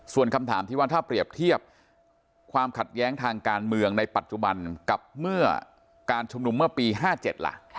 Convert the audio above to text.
ส่วนคำถามที่ว่าถ้าเปรียบเทียบความขัดแย้งทางการเมืองในปัจจุบันกับเมื่อการชุมนุมเมื่อปี๕๗ล่ะ